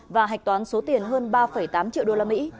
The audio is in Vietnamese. và hạch toán số tiền hơn ba tám triệu usd